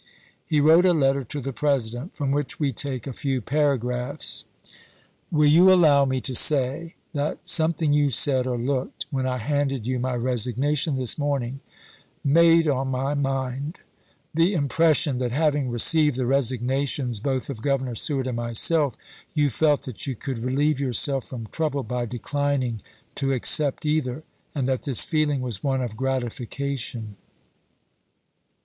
He wrote a letter to the President, from which we take a few paragraphs : WUl you allow me to say that something you said or looked when I handed you my resignation this morning made on my mind the impression that having received the resignations both of Governor Seward and myself you felt that you could relieve yourself from trouble by declin ing to accept either, and that this feeling was one of gratification.